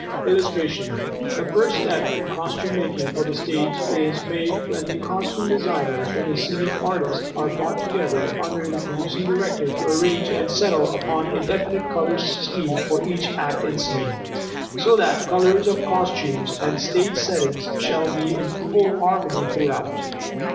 The first step in costume making for the stage is made when the costume designer and the scenic artist are brought together under the producing director to arrange and settle upon a definite color scheme for each act and scene, so that colors of costumes and stage settings shall be in full harmony throughout.